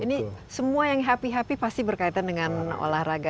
ini semua yang happy happy pasti berkaitan dengan olahraga